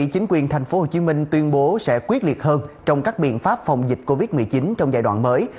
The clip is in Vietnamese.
chính quyền tp hcm tuyên bố sẽ quyết liệt hơn trong các biện pháp phòng dịch covid một mươi chín trong giai đoạn mới